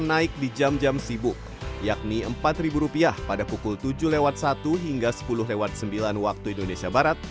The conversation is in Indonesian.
naik di jam jam sibuk yakni empat rupiah pada pukul tujuh satu hingga sepuluh sembilan waktu indonesia barat